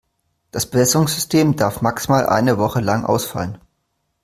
Das Bewässerungssystem darf maximal eine Woche lang ausfallen.